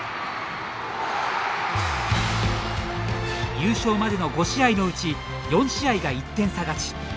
優勝までの５試合のうち４試合が１点差勝ち。